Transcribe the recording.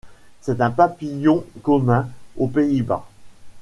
C'est un papillon commun aux Pays-Bas.